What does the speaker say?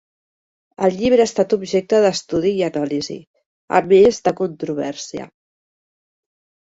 El llibre ha estat objecte d'estudi i anàlisi, a més de controvèrsia.